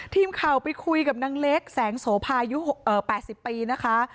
ทีมข่าวไปคุยกับนางเล็กแสงโสภายุค๘๐ปีนะคะ